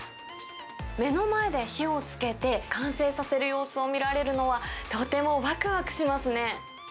目の前で火をつけて完成させる様子を見られるのは、とてもわくわくしますね。